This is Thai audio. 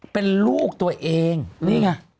เป็นลูกตัวเองนี่ไง